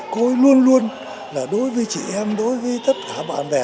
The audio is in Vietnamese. cô luôn luôn đối với chị em đối với tất cả bạn bè